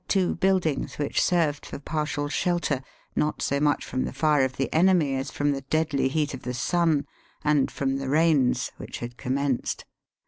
257 two buildings which served for partial shelter, not so much from the fire of the enemy as from the deadly heat of the sun, and from the rains which had commenced.